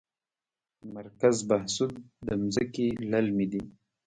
مرکز بهسود ځمکې للمي دي؟